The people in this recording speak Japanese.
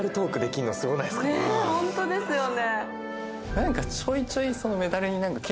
ホントですよね。